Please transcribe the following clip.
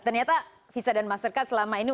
ternyata visa dan mastercard selama ini